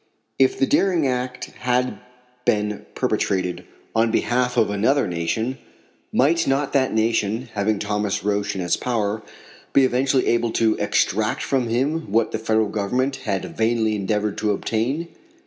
If the daring act had been perpetrated on behalf of another nation, might not that nation, having Thomas Roch in its power, be eventually able to extract from him what the Federal Government had vainly endeavored to obtain?